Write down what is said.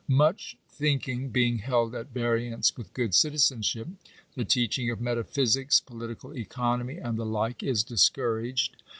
Much thinking being held at variance with good citizenship, the teaching of metaphysics, political economy, and the like, is discouraged.